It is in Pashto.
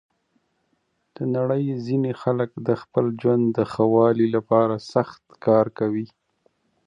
د نړۍ ځینې خلک د خپل ژوند د ښه والي لپاره سخت کار کوي.